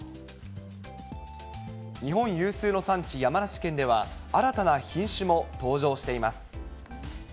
日本有数の産地、山梨県では、新たな品種も登場しています。